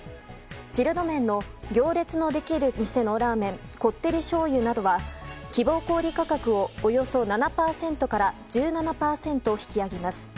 チルド麺の行列のできる店のラーメンこってり醤油などは希望小売価格をおよそ７％から１３％引き上げます。